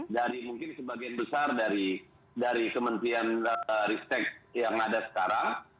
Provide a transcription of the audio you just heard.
dari mungkin sebagian besar dari kementerian ristek yang ada sekarang